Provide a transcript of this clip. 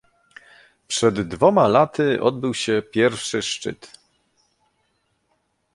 Przed dwoma laty odbył się pierwszy szczyt